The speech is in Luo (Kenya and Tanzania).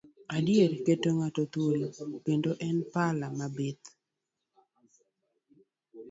Adiera keto ng'ato thuolo, kendo en pala mabith.